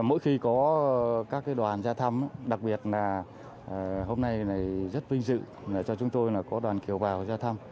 mỗi khi có các đoàn ra thăm đặc biệt là hôm nay rất vinh dự cho chúng tôi có đoàn kiều vào ra thăm